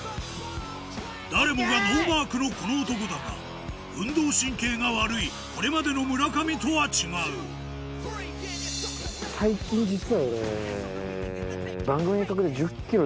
誰もがノーマークのこの男だが運動神経が悪いこれまでの村上とは違う番組の企画で。